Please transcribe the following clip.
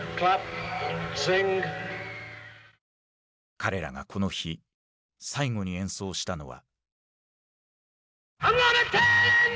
彼らがこの日最後に演奏したのは。